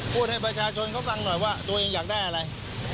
พูดให้ประชาชนเขาฟังหน่อยว่าตัวเองอยากได้อะไร